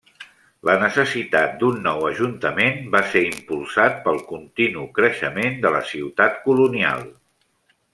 La necessitat d'un nou ajuntament va ser impulsat pel continu creixement de la ciutat colonial.